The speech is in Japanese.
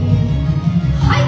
はい！